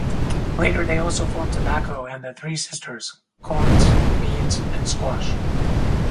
Later, they also farmed tobacco and the "three sisters": corn, beans, and squash.